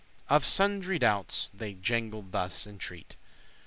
Of sundry doubts they jangle thus and treat.